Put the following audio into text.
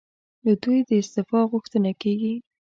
له دوی د استعفی غوښتنه کېږي.